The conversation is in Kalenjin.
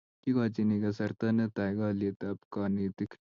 kikochini kasarta netai kalyetab kanetik